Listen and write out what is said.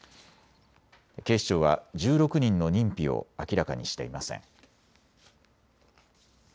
警視庁は１６人の認否を明らかにしていません。